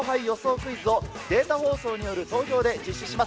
クイズをデータ放送による投票で実施します。